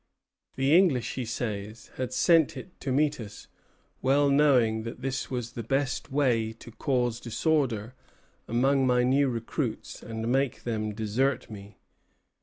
"The English," he says, "had sent it to meet us, well knowing that this was the best way to cause disorder among my new recruits and make them desert me.